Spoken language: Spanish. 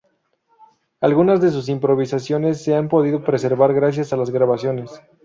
Algunas de sus improvisaciones se han podido preservar gracias a las grabaciones.